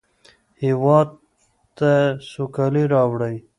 هېواد ته سوکالي راوړئ